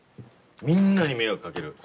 みんなに迷惑かける。